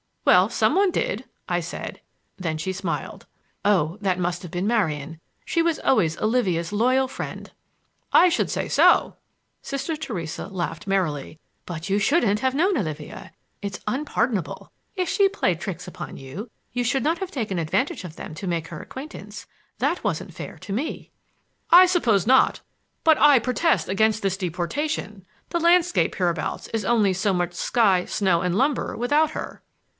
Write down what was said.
"Well, some one did!" I said; then she smiled. "Oh, that must have been Marian. She was always Olivia's loyal friend!" "I should say so!" Sister Theresa laughed merrily. "But you shouldn't have known Olivia,—it is unpardonable! If she played tricks upon you, you should not have taken advantage of them to make her acquaintance. That wasn't fair to me!" "I suppose not! But I protest against this deportation. The landscape hereabouts is only so much sky, snow and lumber without her."